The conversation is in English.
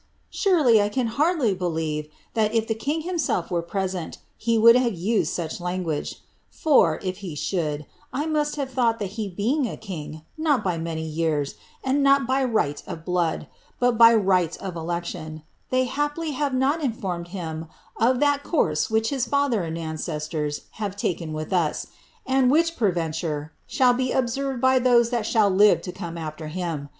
Surely, I caL dly believe that if the king himself were present, he would have id such language. For, if he should, I must have thought that he ng a king, not by many years, and that not by right of blood, but by hi of election, they haply have not informed him of that course which &ther and ancestors have taken with us, and which, peradventure, iD be observed by those that sliall live to come after him.